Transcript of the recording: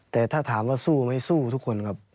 แต่ถ้าถามว่าสู้ไหมสู้ทุกคนครับ